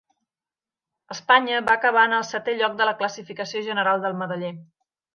Espanya va acabar en el setè lloc de la classificació general del medaller.